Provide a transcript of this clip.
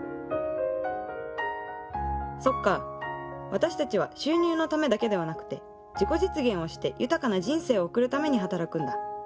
私たちは収入のためだけではなくて自己実現をして豊かな人生を送るために働くんだ。